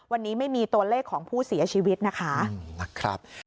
วันนี้ไม่มีตัวเลขของผู้เสียชีวิตนะคะ